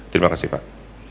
terima kasih pak